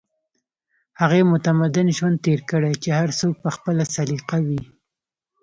هغې متمدن ژوند تېر کړی چې هر څوک په خپله سليقه وي